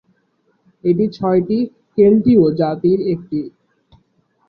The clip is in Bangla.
এটি ছয়টি কেল্টীয় জাতির একটি।